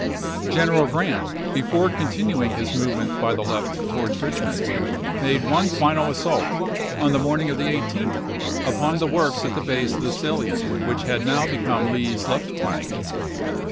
General Grant, before continuing his movement by the left towards Richmond, made one final assault, on the morning of the 18th, upon the works at the base of the salient which had now become Lee's left flank.